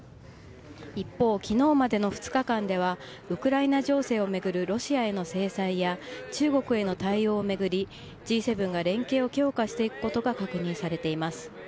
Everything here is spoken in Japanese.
一方、きのうまでの２日間では、ウクライナ情勢を巡るロシアへの制裁や、中国への対応を巡り、Ｇ７が連携を強化していくことが確認されています。